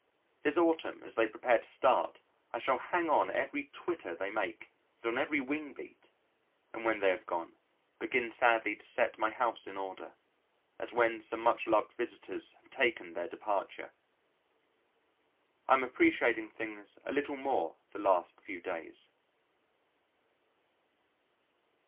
This autumn, as they prepare to start, I shall hang on every twitter they make, and on every wing beat; and when they have gone, begin sadly to set my house in order, as when some much loved visitors have taken their departure. I am appreciating things a little more the last few days.